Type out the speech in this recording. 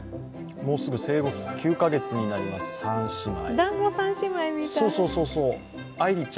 もうすぐ生後９カ月になります３姉妹。